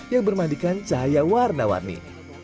yang bermandikan cahaya warna warni